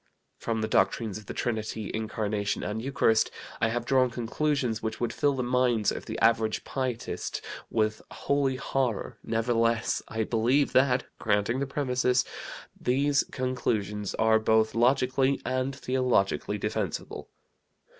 "From the doctrines of the Trinity, Incarnation, and Eucharist, I have drawn conclusions which would fill the minds of the average pietist with holy horror; nevertheless I believe that (granting the premises) these conclusions are both logically and theologically defensible.